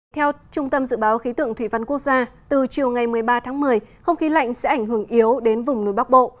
theo trung tâm dự báo khí tượng thủy văn quốc gia từ chiều ngày một mươi ba tháng một mươi không khí lạnh sẽ ảnh hưởng yếu đến vùng núi bắc bộ